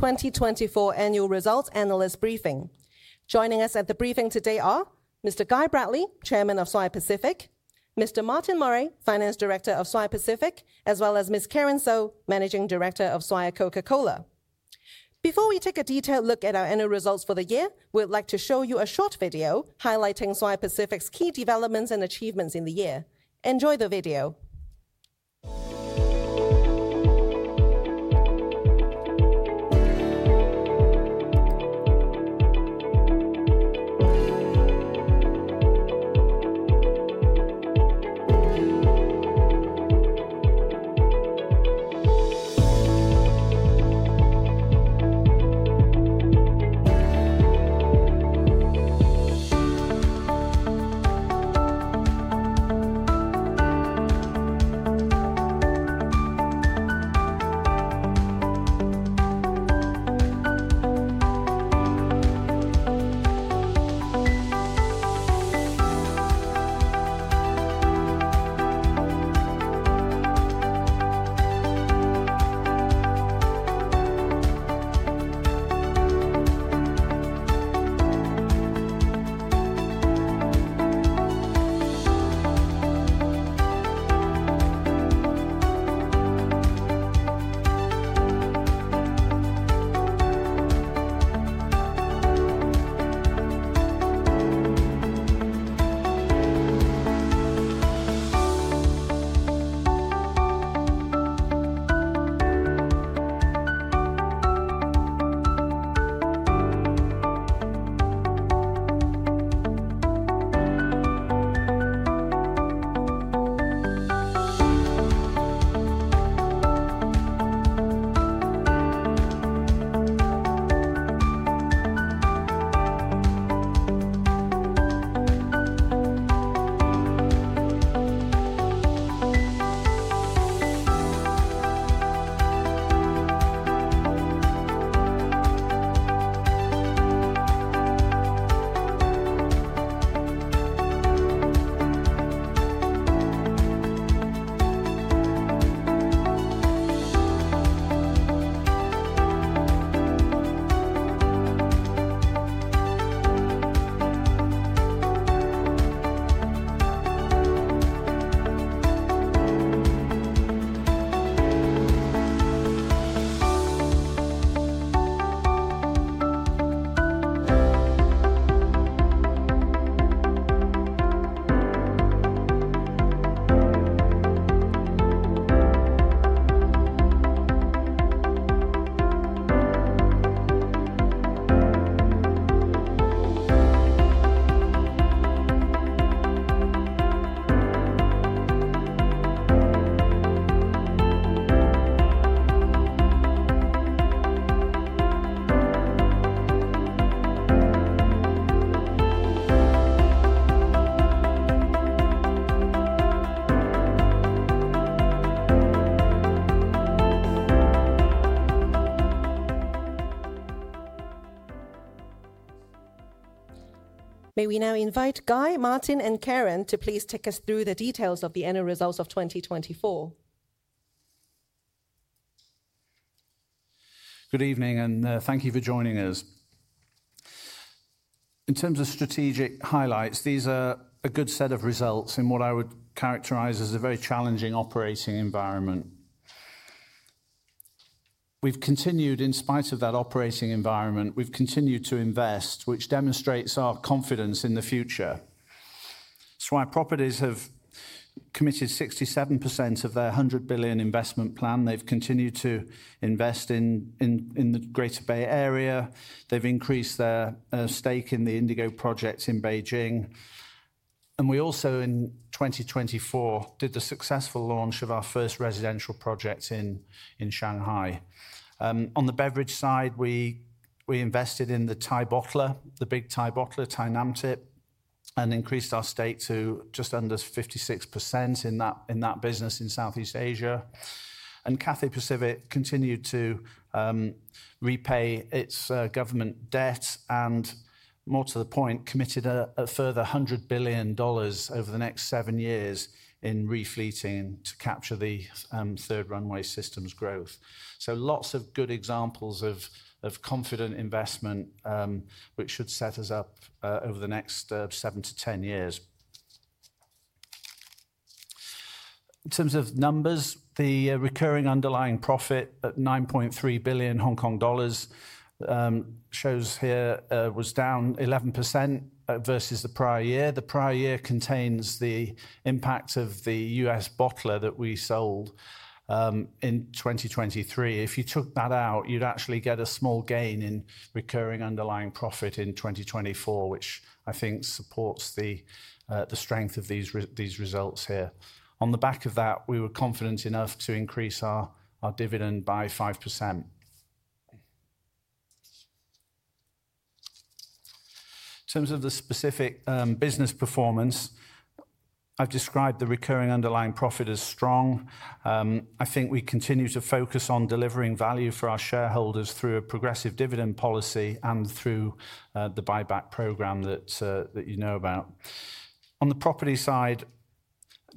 2024 Annual Results Analyst Briefing. Joining us at the briefing today are Mr. Guy Bradley, Chairman of Swire Pacific, Mr. Martin Murray, Finance Director of Swire Pacific, as well as Ms. Karen So, Managing Director of Swire Coca-Cola. Before we take a detailed look at our annual results for the year, we'd like to show you a short video highlighting Swire Pacific's key developments and achievements in the year. Enjoy the video. May we now invite Guy, Martin, and Karen to please take us through the details of the annual results of 2024. Good evening, and thank you for joining us. In terms of strategic highlights, these are a good set of results in what I would characterize as a very challenging operating environment. We've continued, in spite of that operating environment, we've continued to invest, which demonstrates our confidence in the future. Swire Properties have committed 67% of their 100 billion investment plan. They've continued to invest in the Greater Bay Area. They've increased their stake in the INDIGO projects in Beijing. We also, in 2024, did the successful launch of our first residential project in Shanghai. On the beverage side, we invested in the Thai bottler, the big Thai bottler, ThaiNamthip, and increased our stake to just under 56% in that business in Southeast Asia. Cathay Pacific continued to repay its government debt and, more to the point, committed a further 100 billion dollars over the next seven years in re-fleeting to capture the Third Runway System's growth. Lots of good examples of confident investment, which should set us up over the next 7-10 years. In terms of numbers, the recurring underlying profit at 9.3 billion Hong Kong dollars shows here was down 11% versus the prior year. The prior year contains the impact of the U.S. bottler that we sold in 2023. If you took that out, you'd actually get a small gain in recurring underlying profit in 2024, which I think supports the strength of these results here. On the back of that, we were confident enough to increase our dividend by 5%. In terms of the specific business performance, I've described the recurring underlying profit as strong. I think we continue to focus on delivering value for our shareholders through a progressive dividend policy and through the buyback program that you know about. On the property side,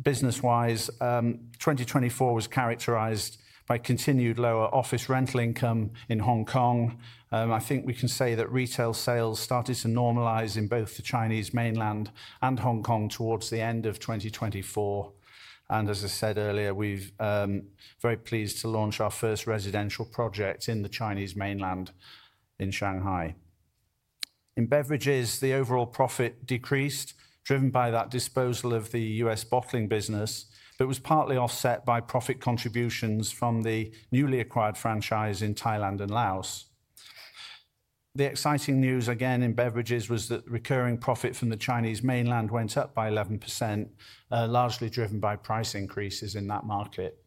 business-wise, 2024 was characterized by continued lower office rental income in Hong Kong. I think we can say that retail sales started to normalize in both the Chinese Mainland and Hong Kong towards the end of 2024. As I said earlier, we're very pleased to launch our first residential project in the Chinese Mainland in Shanghai. In beverages, the overall profit decreased, driven by that disposal of the U.S. bottling business, but was partly offset by profit contributions from the newly acquired franchise in Thailand and Laos. The exciting news, again, in beverages was that recurring profit from the Chinese Mainland went up by 11%, largely driven by price increases in that market.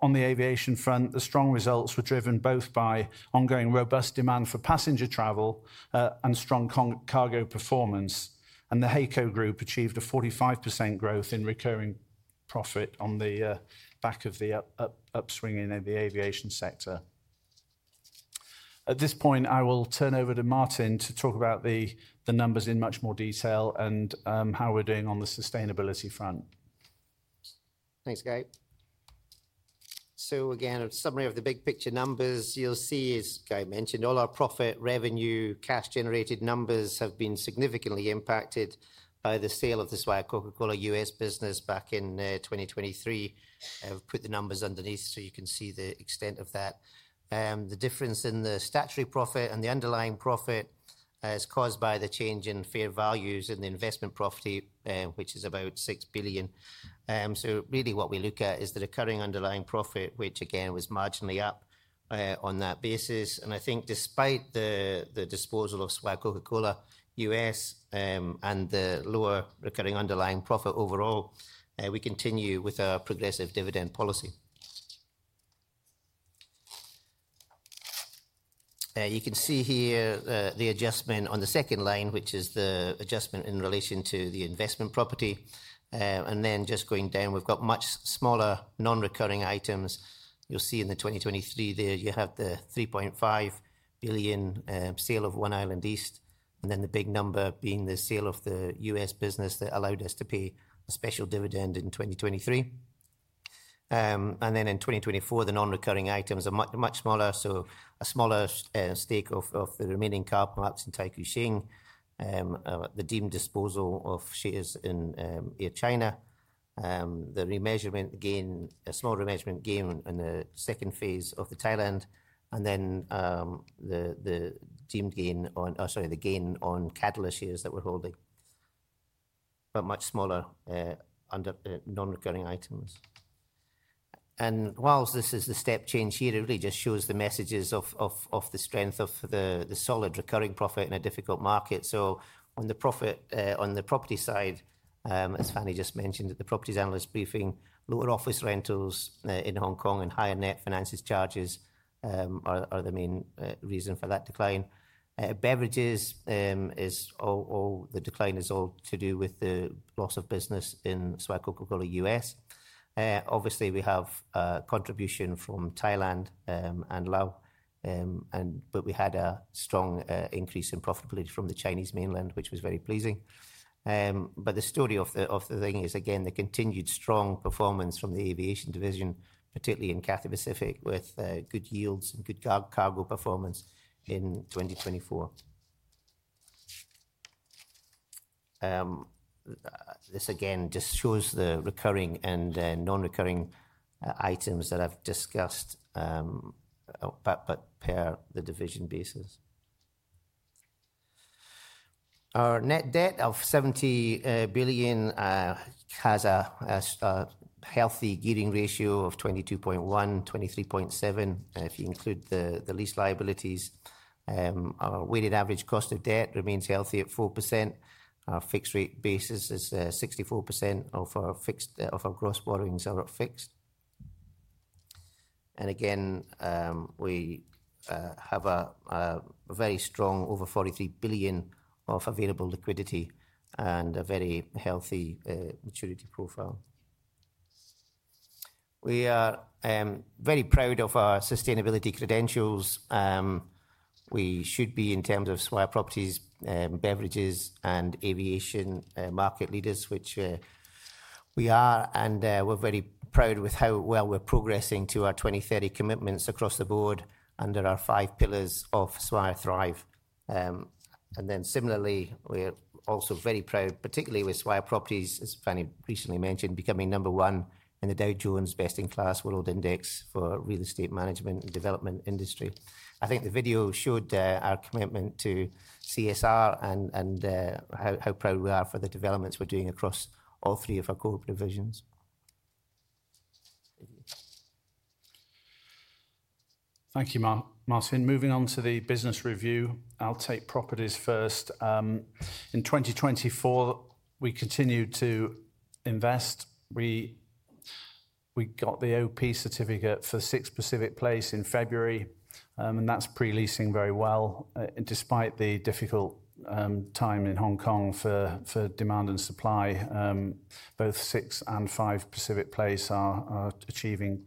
On the aviation front, the strong results were driven both by ongoing robust demand for passenger travel and strong cargo performance, and the HAECO Group achieved a 45% growth in recurring profit on the back of the upswing in the aviation sector. At this point, I will turn over to Martin to talk about the numbers in much more detail and how we're doing on the sustainability front. Thanks, Guy. Again, a summary of the big picture numbers you'll see is, Guy mentioned, all our profit, revenue, cash-generated numbers have been significantly impacted by the sale of the Swire Coca-Cola U.S. business back in 2023. I've put the numbers underneath so you can see the extent of that. The difference in the statutory profit and the underlying profit is caused by the change in fair values in the investment property, which is about 6 billion. Really, what we look at is the recurring underlying profit, which, again, was marginally up on that basis. I think despite the disposal of Swire Coca-Cola U.S. and the lower recurring underlying profit overall, we continue with our progressive dividend policy. You can see here the adjustment on the second line, which is the adjustment in relation to the investment property. Then just going down, we've got much smaller non-recurring items. You'll see in the 2023 there, you have the 3.5 billion sale of One Island East, and then the big number being the sale of the U.S. business that allowed us to pay a special dividend in 2023. In 2024, the non-recurring items are much smaller, so a smaller stake of the remaining car parks in Taikoo Shing, the deemed disposal of shares in China, the remeasurement gain, a small remeasurement gain in the second phase of the Thailand, and then the gain on Cadeler shares that we're holding, but much smaller under non-recurring items. Whilst this is the step change here, it really just shows the messages of the strength of the solid recurring profit in a difficult market. On the property side, as Fanny just mentioned at the properties analyst briefing, lower office rentals in Hong Kong and higher net finance charges are the main reason for that decline. Beverages is all the decline is all to do with the loss of business in Swire Coca-Cola U.S.. Obviously, we have contribution from Thailand and Laos, but we had a strong increase in profitability from the Chinese Mainland, which was very pleasing. The story of the thing is, again, the continued strong performance from the aviation division, particularly in Cathay Pacific, with good yields and good cargo performance in 2024. This, again, just shows the recurring and non-recurring items that I have discussed, but per the division basis. Our net debt of 70 billion has a healthy gearing ratio of 22.1%, 23.7% if you include the lease liabilities. Our weighted average cost of debt remains healthy at 4%. Our fixed rate basis is 64% of our fixed of our gross borrowings are fixed. We have a very strong over 43 billion of available liquidity and a very healthy maturity profile. We are very proud of our sustainability credentials. We should be, in terms of Swire Properties, beverages, and aviation market leaders, which we are, and we are very proud with how well we are progressing to our 2030 commitments across the board under our five pillars of SwireTHRIVE. We are also very proud, particularly with Swire Properties, as Fanny recently mentioned, becoming number one in the Dow Jones Sustainability World Index for real estate management and development industry. I think the video showed our commitment to CSR and how proud we are for the developments we are doing across all three of our core provisions. Thank you, Martin. Moving on to the business review, I'll take properties first. In 2024, we continued to invest. We got the OP certificate for Six Pacific Place in February, and that's pre-leasing very well. Despite the difficult time in Hong Kong for demand and supply, both Six and Five Pacific Place are achieving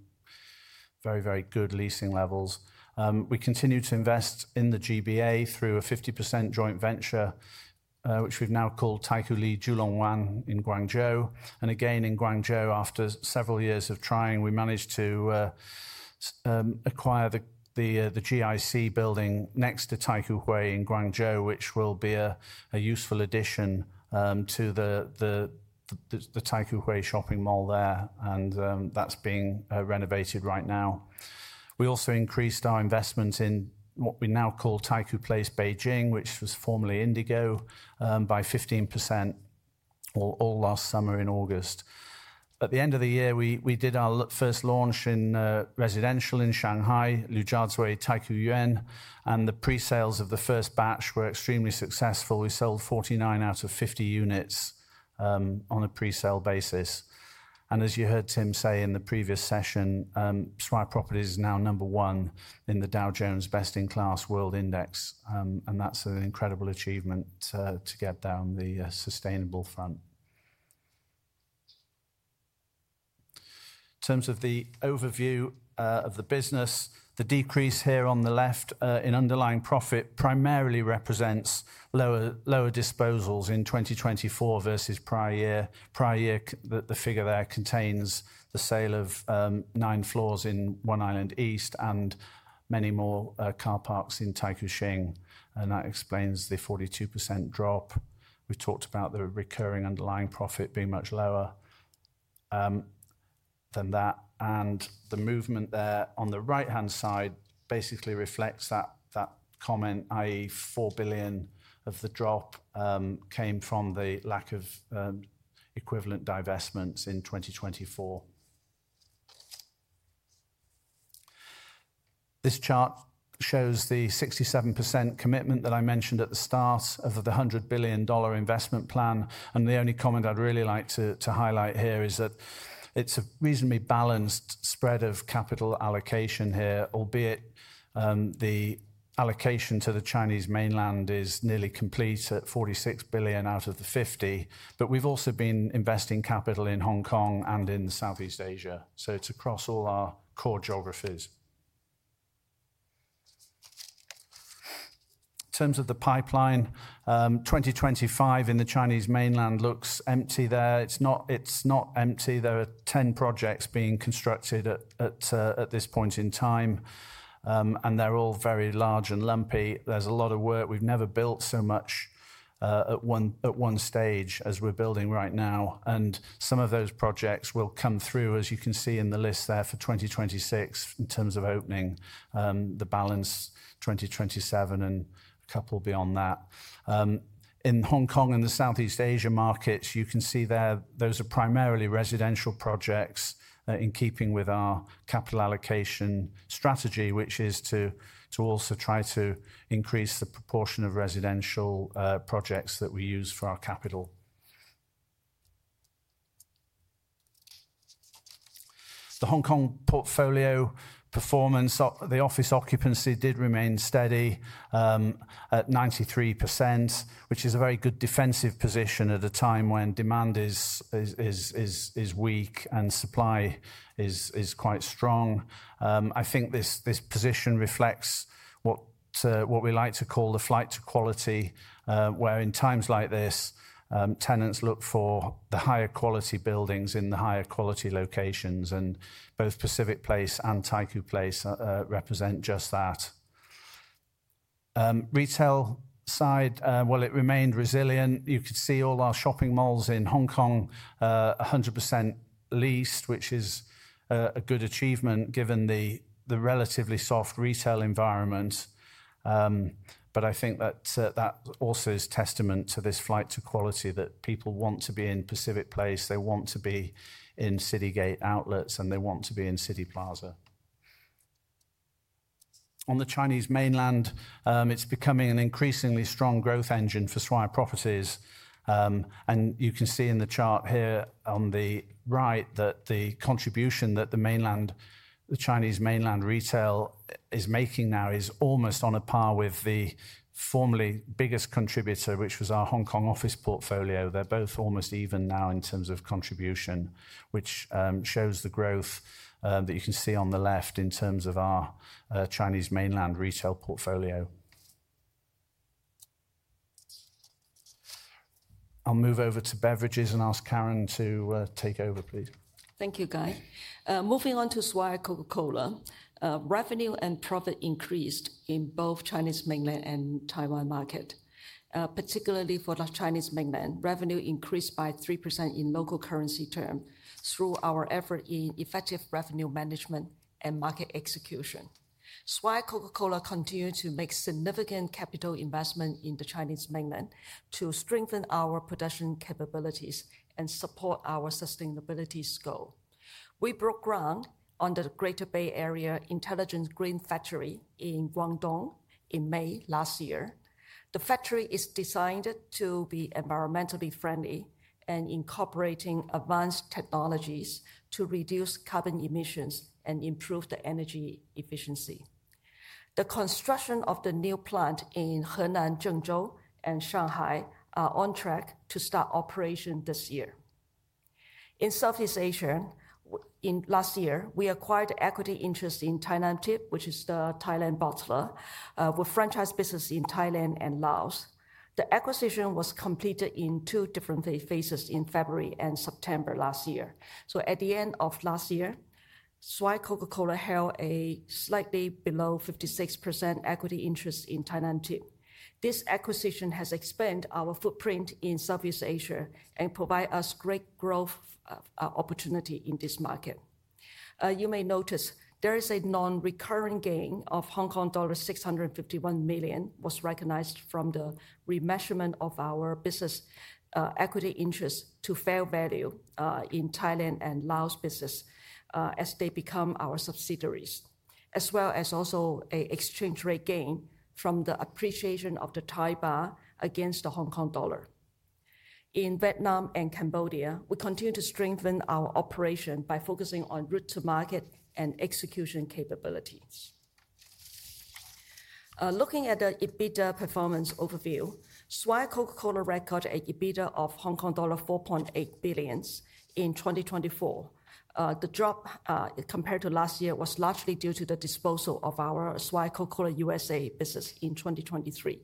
very, very good leasing levels. We continue to invest in the Greater Bay Area through a 50% joint venture, which we've now called Taikoo Li Julong Wan in Guangzhou. In Guangzhou, after several years of trying, we managed to acquire the GIC building next to Taikoo Hui in Guangzhou, which will be a useful addition to the Taikoo Hui shopping mall there, and that's being renovated right now. We also increased our investment in what we now call Taikoo Place Beijing, which was formerly INDIGO Beijing, by 15% last summer in August. At the end of the year, we did our first launch in residential in Shanghai, Lujiazui Taikoo Yuan, and the pre-sales of the first batch were extremely successful. We sold 49 out of 50 units on a pre-sale basis. As you heard Tim say in the previous session, Swire Properties is now number one in the Dow Jones Sustainability World Index, and that is an incredible achievement to get down the sustainable front. In terms of the overview of the business, the decrease here on the left in underlying profit primarily represents lower disposals in 2024 versus prior year. Prior year, the figure there contains the sale of nine floors in One Island East and many more car parks in Taikoo Shing, and that explains the 42% drop. We have talked about the recurring underlying profit being much lower than that. The movement there on the right-hand side basically reflects that comment, i.e., 4 billion of the drop came from the lack of equivalent divestments in 2024. This chart shows the 67% commitment that I mentioned at the start of the 100 billion dollar investment plan. The only comment I'd really like to highlight here is that it's a reasonably balanced spread of capital allocation here, albeit the allocation to the Chinese Mainland is nearly complete at 46 billion out of the 50 billion. We have also been investing capital in Hong Kong and in Southeast Asia, so it's across all our core geographies. In terms of the pipeline, 2025 in the Chinese Mainland looks empty there. It's not empty. There are 10 projects being constructed at this point in time, and they're all very large and lumpy. There's a lot of work. We've never built so much at one stage as we're building right now. Some of those projects will come through, as you can see in the list there for 2026 in terms of opening, the balance, 2027, and a couple beyond that. In Hong Kong and the Southeast Asia markets, you can see there those are primarily residential projects in keeping with our capital allocation strategy, which is to also try to increase the proportion of residential projects that we use for our capital. The Hong Kong portfolio performance, the office occupancy did remain steady at 93%, which is a very good defensive position at a time when demand is weak and supply is quite strong. I think this position reflects what we like to call the flight to quality, where in times like this, tenants look for the higher quality buildings in the higher quality locations, and both Pacific Place and Taikoo Place represent just that. Retail side, it remained resilient. You could see all our shopping malls in Hong Kong 100% leased, which is a good achievement given the relatively soft retail environment. I think that also is testament to this flight to quality that people want to be in Pacific Place. They want to be in Citygate Outlets, and they want to be in Cityplaza. On the Chinese Mainland, it's becoming an increasingly strong growth engine for Swire Properties. You can see in the chart here on the right that the contribution that the Chinese Mainland retail is making now is almost on a par with the formerly biggest contributor, which was our Hong Kong office portfolio. They are both almost even now in terms of contribution, which shows the growth that you can see on the left in terms of our Chinese Mainland retail portfolio. I will move over to beverages and ask Karen to take over, please. Thank you, Guy. Moving on to Swire Coca-Cola, revenue and profit increased in both Chinese Mainland and Taiwan market, particularly for the Chinese Mainland. Revenue increased by 3% in local currency term through our effort in effective revenue management and market execution. Swire Coca-Cola continues to make significant capital investment in the Chinese Mainland to strengthen our production capabilities and support our sustainability scope. We broke ground on the Greater Bay Area Intelligent Green Factory in Guangdong in May last year. The factory is designed to be environmentally friendly and incorporating advanced technologies to reduce carbon emissions and improve the energy efficiency. The construction of the new plant in Henan, Zhengzhou, and Shanghai are on track to start operation this year. In Southeast Asia, last year, we acquired equity interests in ThaiNamthip, which is the Thailand bottler, with franchise business in Thailand and Laos. The acquisition was completed in two different phases in February and September last year. At the end of last year, Swire Coca-Cola held a slightly below 56% equity interest in ThaiNamthip. This acquisition has expanded our footprint in Southeast Asia and provided us great growth opportunity in this market. You may notice there is a non-recurring gain of Hong Kong dollars 651 million was recognized from the remeasurement of our business equity interest to fair value in Thailand and Laos business as they become our subsidiaries, as well as also an exchange rate gain from the appreciation of the Thai baht against the Hong Kong dollar. In Vietnam and Cambodia, we continue to strengthen our operation by focusing on route to market and execution capabilities. Looking at the EBITDA performance overview, Swire Coca-Cola recorded an EBITDA of Hong Kong dollar 4.8 billion in 2024. The drop compared to last year was largely due to the disposal of our Swire Coca-Cola USA business in 2023.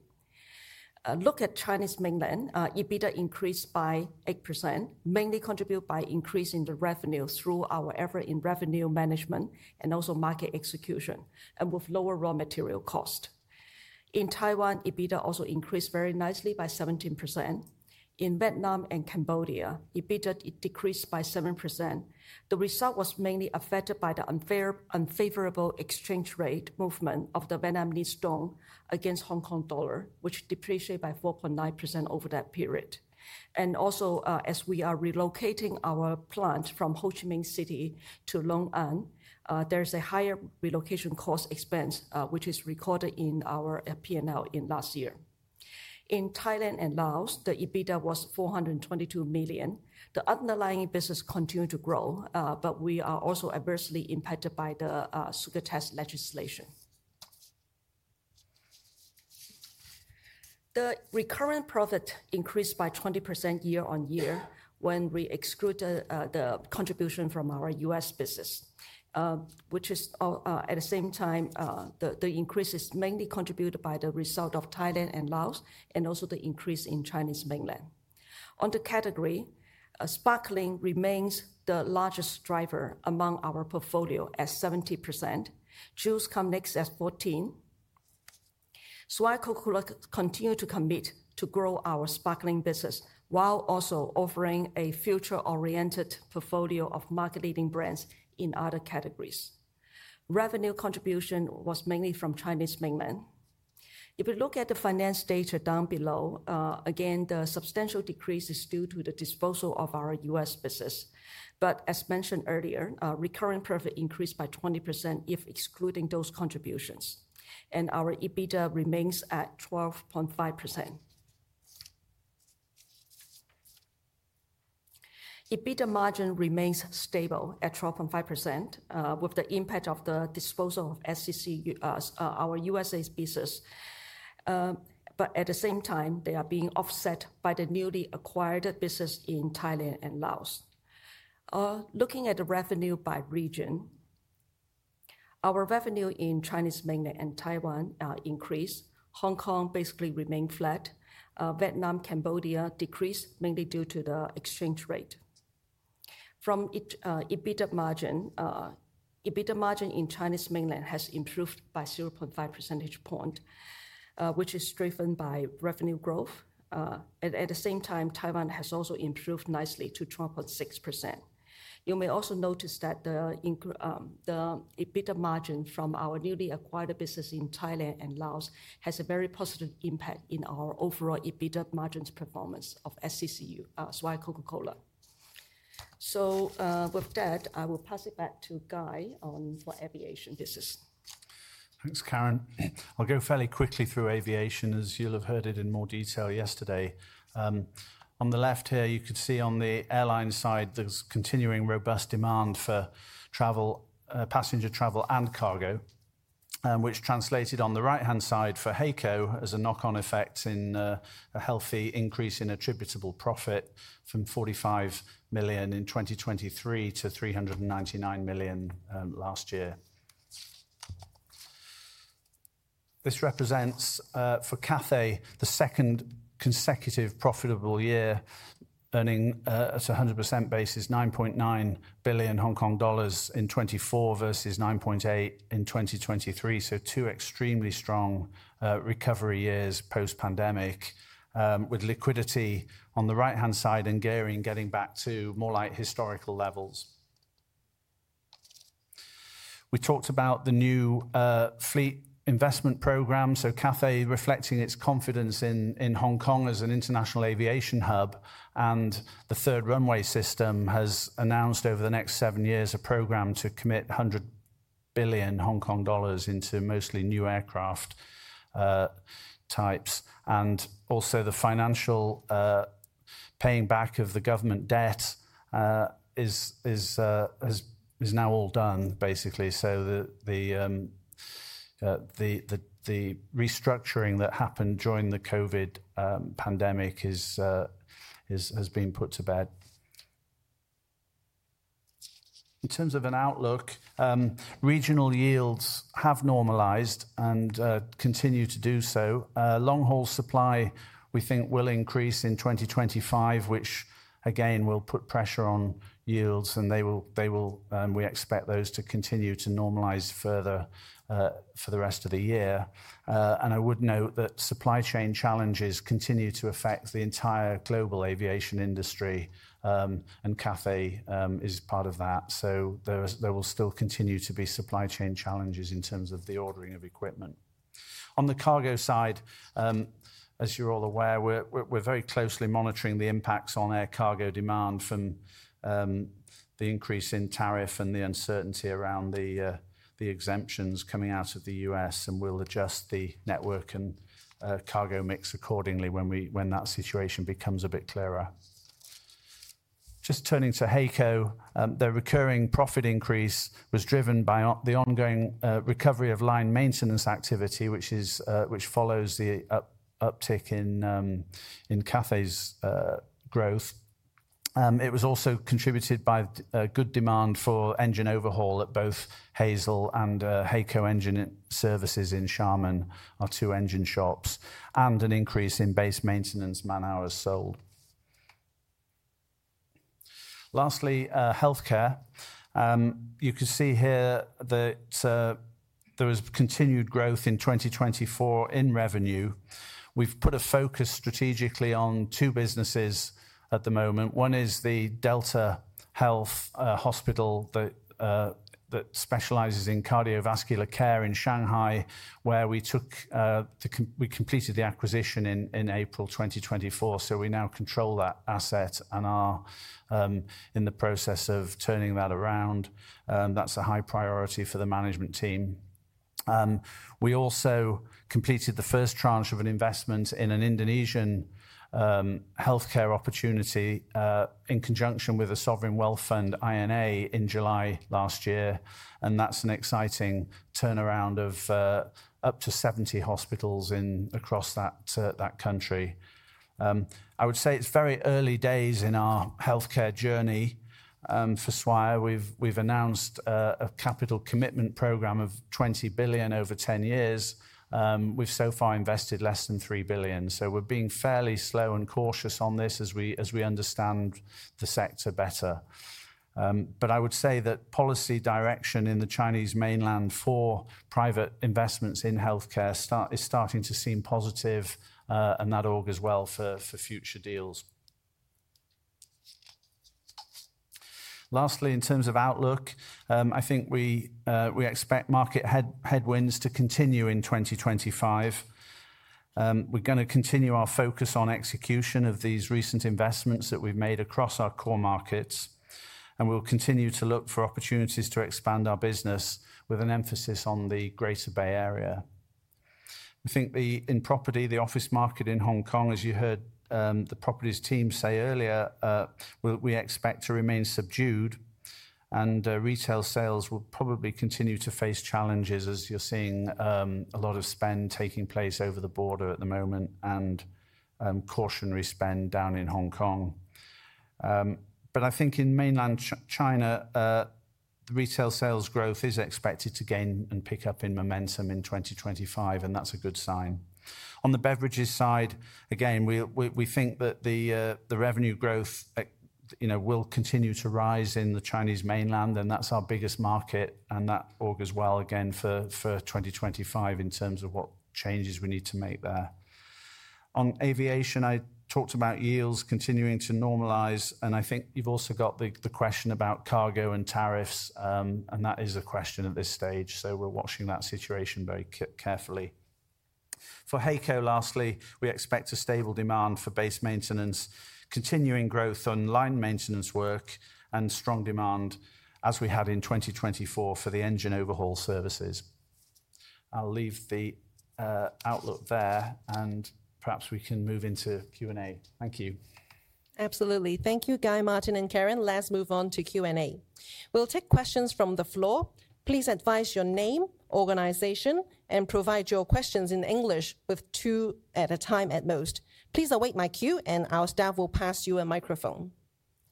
Look at Chinese Mainland, EBITDA increased by 8%, mainly contributed by increasing the revenue through our effort in revenue management and also market execution and with lower raw material cost. In Taiwan, EBITDA also increased very nicely by 17%. In Vietnam and Cambodia, EBITDA decreased by 7%. The result was mainly affected by the unfavorable exchange rate movement of the Vietnamese dong against Hong Kong dollar, which depreciated by 4.9% over that period. Also, as we are relocating our plant from Ho Chi Minh City to Long An, there's a higher relocation cost expense, which is recorded in our P&L in last year. In Thailand and Laos, the EBITDA was 422 million. The underlying business continued to grow, but we are also adversely impacted by the sugar tax legislation. The recurrent profit increased by 20% year on year when we excluded the contribution from our U.S. business, which is at the same time the increase is mainly contributed by the result of Thailand and Laos and also the increase in Chinese Mainland. On the category, sparkling remains the largest driver among our portfolio at 70%. Juice comes next at 14%. Swire Coca-Cola continues to commit to grow our sparkling business while also offering a future-oriented portfolio of market-leading brands in other categories. Revenue contribution was mainly from Chinese Mainland. If we look at the finance data down below, again, the substantial decrease is due to the disposal of our U.S. business. As mentioned earlier, recurrent profit increased by 20% if excluding those contributions, and our EBITDA remains at 12.5%. EBITDA margin remains stable at 12.5% with the impact of the disposal of SCC, our U.S. business. At the same time, they are being offset by the newly acquired business in Thailand and Laos. Looking at the revenue by region, our revenue in Chinese Mainland and Taiwan increased. Hong Kong basically remained flat. Vietnam, Cambodia decreased mainly due to the exchange rate. From EBITDA margin, EBITDA margin in Chinese Mainland has improved by 0.5 percentage points, which is driven by revenue growth. At the same time, Taiwan has also improved nicely to 12.6%. You may also notice that the EBITDA margin from our newly acquired business in Thailand and Laos has a very positive impact in our overall EBITDA margin performance of Swire Coca-Cola. With that, I will pass it back to Guy for aviation business. Thanks, Karen. I'll go fairly quickly through aviation, as you'll have heard it in more detail yesterday. On the left here, you could see on the airline side, there's continuing robust demand for travel, passenger travel and cargo, which translated on the right-hand side for HAECO as a knock-on effect in a healthy increase in attributable profit from 45 million in 2023 to 399 million last year. This represents for Cathay the second consecutive profitable year earning at a 100% basis, 9.9 billion Hong Kong dollars in 2024 versus 9.8 billion in 2023. Two extremely strong recovery years post-pandemic with liquidity on the right-hand side and gearing getting back to more like historical levels. We talked about the new fleet investment program. Cathay reflecting its confidence in Hong Kong as an international aviation hub. The Third Runway System has announced over the next seven years a program to commit 100 billion Hong Kong dollars into mostly new aircraft types. Also, the financial paying back of the government debt is now all done, basically. The restructuring that happened during the COVID pandemic has been put to bed. In terms of an outlook, regional yields have normalized and continue to do so. Long-haul supply, we think, will increase in 2025, which again will put pressure on yields, and we expect those to continue to normalize further for the rest of the year. I would note that supply chain challenges continue to affect the entire global aviation industry, and Cathay Pacific is part of that. There will still continue to be supply chain challenges in terms of the ordering of equipment. On the cargo side, as you're all aware, we're very closely monitoring the impacts on air cargo demand from the increase in tariff and the uncertainty around the exemptions coming out of the U.S., and we'll adjust the network and cargo mix accordingly when that situation becomes a bit clearer. Just turning to HAECO, the recurring profit increase was driven by the ongoing recovery of line maintenance activity, which follows the uptick in Cathay's growth. It was also contributed by good demand for engine overhaul at both HAESL and HAECO Engine Services in Xiamen, our two engine shops, and an increase in base maintenance man-hours sold. Lastly, healthcare. You can see here that there was continued growth in 2024 in revenue. We've put a focus strategically on two businesses at the moment. One is the DeltaHealth Hospital that specializes in cardiovascular care in Shanghai, where we completed the acquisition in April 2024. We now control that asset and are in the process of turning that around. That's a high priority for the management team. We also completed the first tranche of an investment in an Indonesian healthcare opportunity in conjunction with a sovereign wealth fund, INA, in July last year. That's an exciting turnaround of up to 70 hospitals across that country. I would say it's very early days in our healthcare journey for Swire. We've announced a capital commitment program of 20 billion over 10 years. We've so far invested less than 3 billion. We're being fairly slow and cautious on this as we understand the sector better. I would say that policy direction in the Chinese Mainland for private investments in healthcare is starting to seem positive, and that augurs well for future deals. Lastly, in terms of outlook, I think we expect market headwinds to continue in 2025. We're going to continue our focus on execution of these recent investments that we've made across our core markets, and we'll continue to look for opportunities to expand our business with an emphasis on the Greater Bay Area. I think in property, the office market in Hong Kong, as you heard the Properties team say earlier, we expect to remain subdued. Retail sales will probably continue to face challenges, as you're seeing a lot of spend taking place over the border at the moment and cautionary spend down in Hong Kong. I think in mainland China, the retail sales growth is expected to gain and pick up in momentum in 2025, and that's a good sign. On the beverages side, again, we think that the revenue growth will continue to rise in the Chinese Mainland, and that's our biggest market. That augurs as well again for 2025 in terms of what changes we need to make there. On aviation, I talked about yields continuing to normalize, and I think you've also got the question about cargo and tariffs, and that is a question at this stage. We are watching that situation very carefully. For HAECO lastly, we expect a stable demand for base maintenance, continuing growth on line maintenance work, and strong demand as we had in 2024 for the engine overhaul services. I'll leave the outlook there, and perhaps we can move into Q&A. Thank you. Absolutely. Thank you, Guy, Martin, and Karen. Let's move on to Q&A. We'll take questions from the floor. Please advise your name, organization, and provide your questions in English with two at a time at most. Please await my cue, and our staff will pass you a microphone.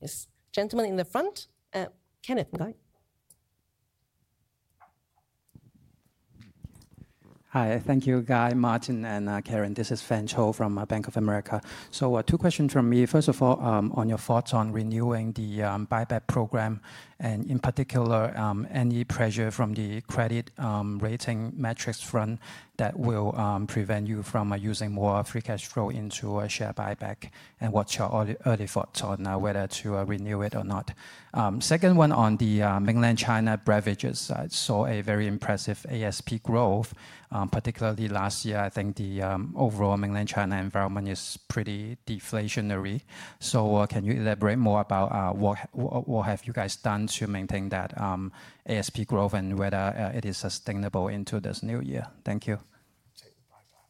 Yes, gentlemen in the front, Karen and Guy. Hi, thank you, Guy, Martin, and Karen. This is Fan Tso from Bank of America. Two questions from me. First of all, on your thoughts on renewing the buyback program and in particular, any pressure from the credit rating metrics front that will prevent you from using more free cash flow into a share buyback and what is your early thoughts on whether to renew it or not. Second one on the mainland China beverages. I saw a very impressive ASP growth, particularly last year. I think the overall mainland China environment is pretty deflationary. Can you elaborate more about what have you guys done to maintain that ASP growth and whether it is sustainable into this new year? Thank you.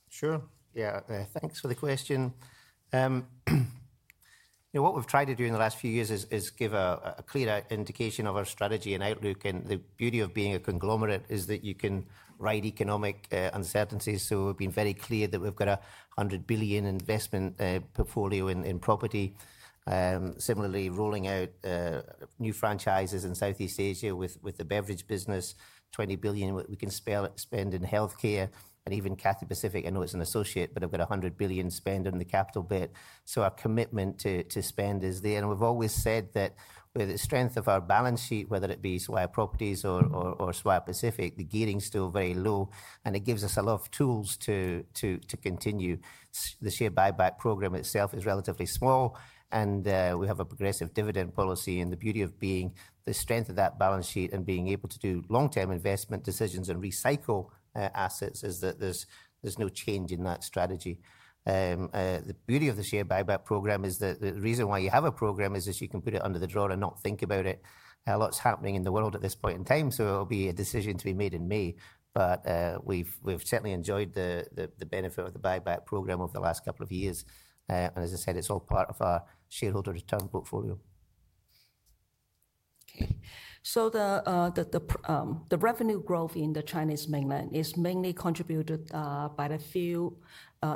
Sure. Yeah, thanks for the question. What we've tried to do in the last few years is give a clear indication of our strategy and outlook. The beauty of being a conglomerate is that you can ride economic uncertainties. We've been very clear that we've got a 100 billion investment portfolio in property. Similarly, rolling out new franchises in Southeast Asia with the beverage business, 20 billion we can spend in healthcare and even Cathay Pacific. I know it's an associate, but I've got a 100 billion spend on the capital bit. Our commitment to spend is there. We've always said that with the strength of our balance sheet, whether it be Swire Properties or Swire Pacific, the gearing is still very low, and it gives us a lot of tools to continue. The share buyback program itself is relatively small, and we have a progressive dividend policy. The beauty of being the strength of that balance sheet and being able to do long-term investment decisions and recycle assets is that there's no change in that strategy. The beauty of the share buyback program is that the reason why you have a program is that you can put it under the drawer and not think about it. A lot's happening in the world at this point in time, it will be a decision to be made in May. We have certainly enjoyed the benefit of the buyback program over the last couple of years. As I said, it's all part of our shareholder return portfolio. Okay. The revenue growth in the Chinese Mainland is mainly contributed by a few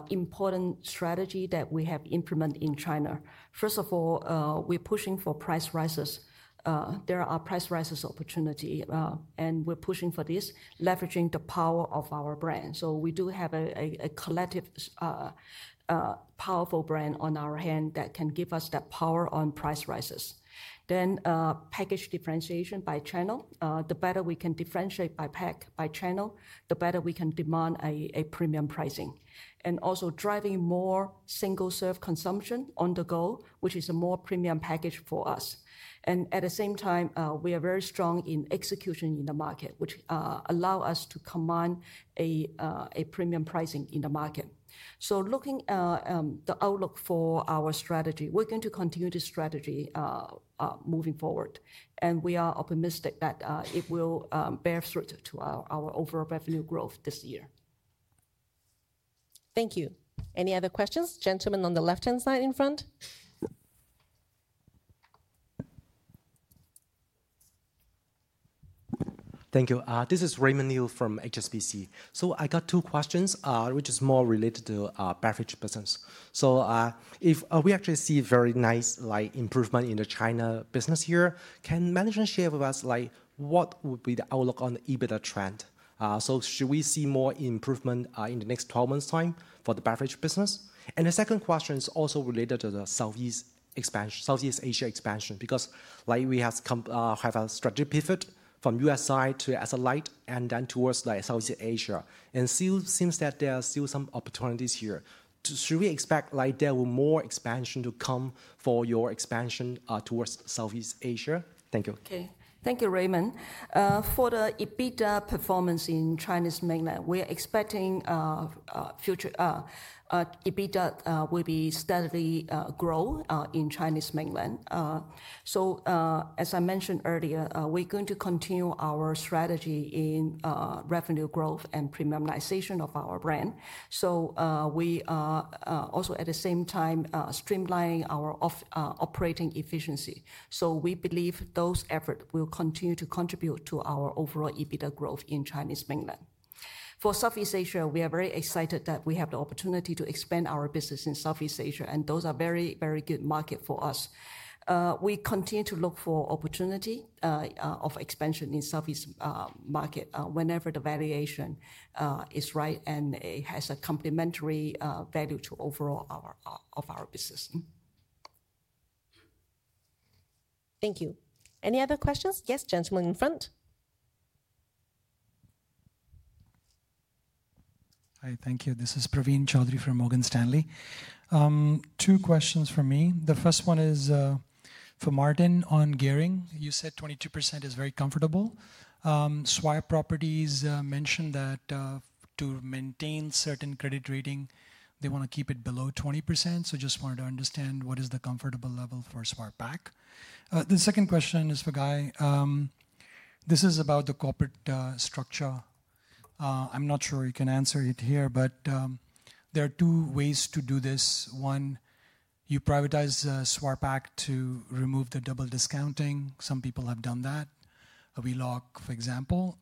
important strategies that we have implemented in China. First of all, we're pushing for price rises. There are price rises opportunities, and we're pushing for this, leveraging the power of our brand. We do have a collective powerful brand on our hand that can give us that power on price rises. Then package differentiation by channel. The better we can differentiate by pack, by channel, the better we can demand a premium pricing. Also, driving more single-serve consumption on the go, which is a more premium package for us. At the same time, we are very strong in execution in the market, which allows us to command a premium pricing in the market. Looking at the outlook for our strategy, we're going to continue the strategy moving forward. We are optimistic that it will bear fruit to our overall revenue growth this year. Thank you. Any other questions? Gentlemen on the left-hand side in front. Thank you. This is Raymond Liu from HSBC. I got two questions, which is more related to beverage business. We actually see very nice improvement in the China business here. Can management share with us what would be the outlook on the EBITDA trend? Should we see more improvement in the next 12 months' time for the beverage business? The second question is also related to the Southeast Asia expansion because we have a strategy pivot from U.S. side to satellite and then towards Southeast Asia. It seems that there are still some opportunities here. Should we expect there will be more expansion to come for your expansion towards Southeast Asia? Thank you. Okay. Thank you, Raymond. For the EBITDA performance in Chinese Mainland, we're expecting future EBITDA will be steadily growing in Chinese Mainland. As I mentioned earlier, we're going to continue our strategy in revenue growth and premiumization of our brand. We are also at the same time streamlining our operating efficiency. We believe those efforts will continue to contribute to our overall EBITDA growth in Chinese Mainland. For Southeast Asia, we are very excited that we have the opportunity to expand our business in Southeast Asia, and those are very, very good markets for us. We continue to look for opportunity of expansion in Southeast market whenever the valuation is right and it has a complementary value to overall of our business. Thank you. Any other questions? Yes, gentleman in front. Hi, thank you. This is Praveen Choudhary from Morgan Stanley. Two questions for me. The first one is for Martin on gearing. You said 22% is very comfortable. Swire Properties mentioned that to maintain certain credit rating, they want to keep it below 20%. Just wanted to understand what is the comfortable level for Swire Pacific. The second question is for Guy. This is about the corporate structure. I'm not sure you can answer it here, but there are two ways to do this. One, you privatize Swire Pacific to remove the double discounting. Some people have done that. Wheelock, for example.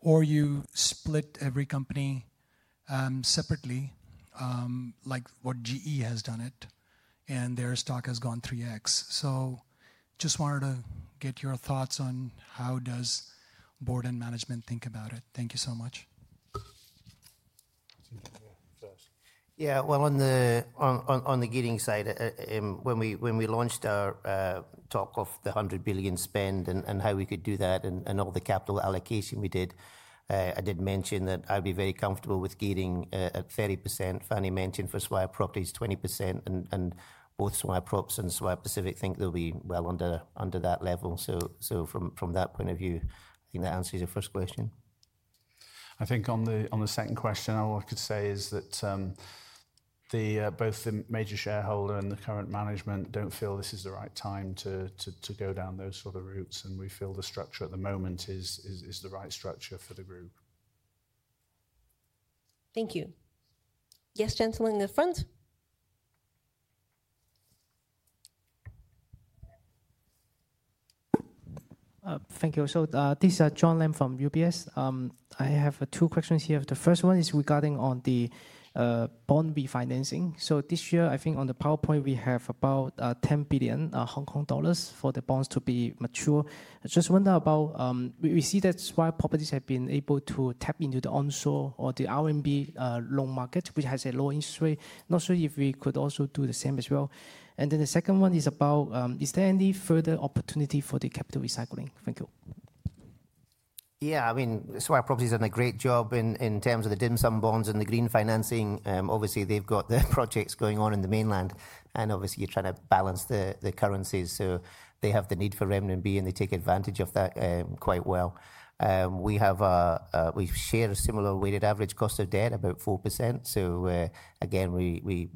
Or you split every company separately, like what GE has done, and their stock has gone 3x. Just wanted to get your thoughts on how does board and management think about it. Thank you so much. Yeah, on the gearing side, when we launched our talk of the 100 billion spend and how we could do that and all the capital allocation we did, I did mention that I'd be very comfortable with gearing at 30%. Fanny mentioned for Swire Properties 20%, and both Swire Properties and Swire Pacific think they'll be well under that level. From that point of view, I think that answers your first question. I think on the second question, all I could say is that both the major shareholder and the current management don't feel this is the right time to go down those sort of routes, and we feel the structure at the moment is the right structure for the group. Thank you. Yes, gentlemen in the front. Thank you. This is John Lam from UBS. I have two questions here. The first one is regarding the bond refinancing. This year, I think on the PowerPoint, we have about 10 billion Hong Kong dollars for the bonds to be mature. Just wonder about we see that Swire Properties have been able to tap into the onshore or the RMB loan market, which has a low interest rate. Not sure if we could also do the same as well. The second one is about, is there any further opportunity for the capital recycling? Thank you. Yeah, I mean, Swire Properties has done a great job in terms of the dim sum bonds and the green financing. Obviously, they've got their projects going on in the mainland, and obviously, you're trying to balance the currencies. So they have the need for Renminbi, and they take advantage of that quite well. We share a similar weighted average cost of debt, about 4%. So again, we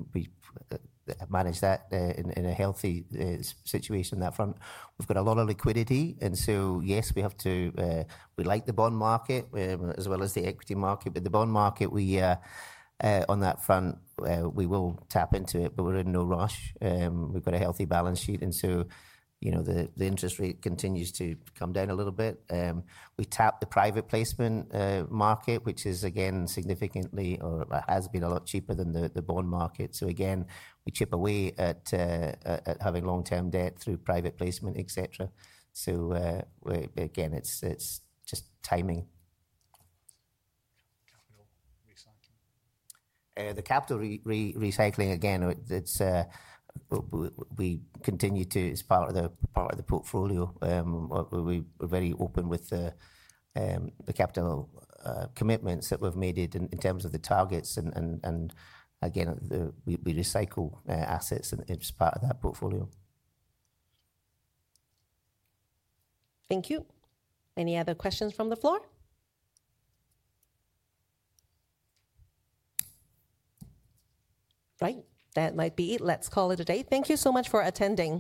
manage that in a healthy situation on that front. We've got a lot of liquidity. Yes, we like the bond market as well as the equity market. The bond market, on that front, we will tap into it, but we're in no rush. We've got a healthy balance sheet. The interest rate continues to come down a little bit. We tap the private placement market, which is, again, significantly or has been a lot cheaper than the bond market. Again, we chip away at having long-term debt through private placement, etc. It is just timing. The capital recycling, again, we continue to as part of the portfolio. We are very open with the capital commitments that we have made in terms of the targets. Again, we recycle assets and it is part of that portfolio. Thank you. Any other questions from the floor? Right. That might be it. Let's call it a day. Thank you so much for attending.